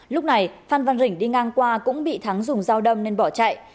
lúc này phan văn rỉnh đi ngang qua cũng bị thắng dùng dao đâm nên bỏ chạy